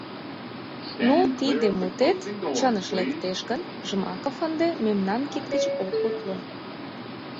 — Ну, тиде мутет чыныш лектеш гын, Жмаков ынде мемнан кид гыч ок утло.